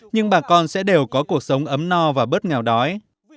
nhưng bà con sẽ đều có cuộc sống ấm no và bớt nghèo đói